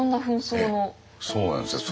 そうなんですよ。